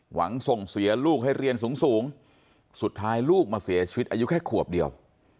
หวังส่งเสียลูกให้เรียนสูงสุดท้ายลูกมาเสียชีวิตอายุแค่ขวบเดียว